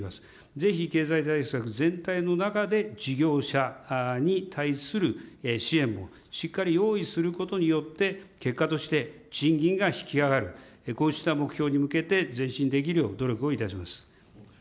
ぜひ経済対策全体の中で事業者に対する支援もしっかり用意することによって、結果として賃金が引き上がる、こうした目標に向けて前進できるよう努力をいたします。